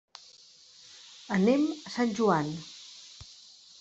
Anem a Sant Joan.